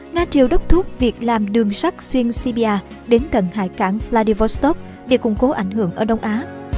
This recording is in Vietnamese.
nga triều đốc thuốc việc làm đường sắt xuyên sibia đến tầng hải cảng vladivostok để củng cố ảnh hưởng ở đông á